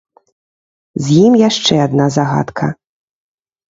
З ім яшчэ адна загадка.